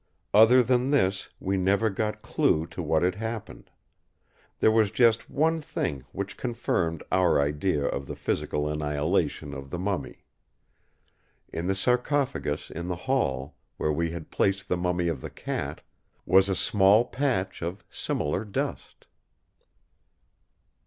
Other than this we never got clue to what had happened. There was just one thing which confirmed our idea of the physical annihilation of the mummy. In the sarcophagus in the hall, where we had placed the mummy of the cat, was a small patch of similar dust.